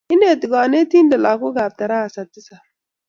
Ineti konetindet lagook kab tarasa tisap